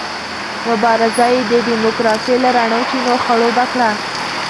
مبارزه یې د ډیموکراسۍ له رڼو چینو خړوبه کړه.